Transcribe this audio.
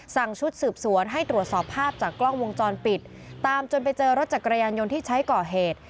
ชุดสืบสวนให้ตรวจสอบภาพจากกล้องวงจรปิดตามจนไปเจอรถจักรยานยนต์ที่ใช้ก่อเหตุ